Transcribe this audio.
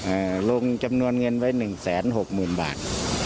เอ่อลงจำนวนเงินไว้หนึ่งแสนหกมูลบาท